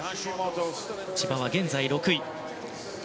千葉は現在６位。